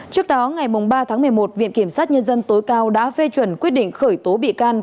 trước đó ngày ba tháng một mươi một viện kiểm sát nhân dân tối cao đã phê chuẩn quyết định khởi tố bị can